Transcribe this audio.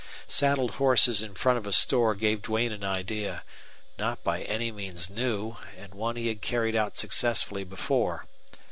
Saddled horses in front of a store gave Duane an idea, not by any means new, and one he had carried out successfully before.